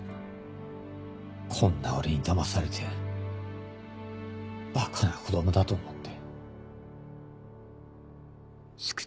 こんな俺にだまされてバカな子供だと思って。